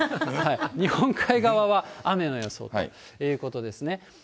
日本海側は、雨の予想ということですね。